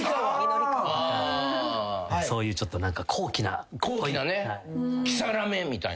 そういうちょっと高貴な。